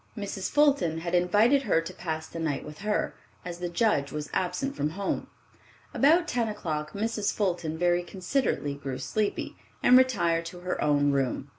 Mrs. Fulton had invited her to pass the night with her, as the Judge was absent from home. About ten o'clock Mrs. Fulton very considerately grew sleepy, and retired to her own room.